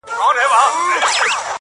امیرحمزه بابا روح دي ښاد وي,